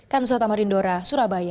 kansota marindora surabaya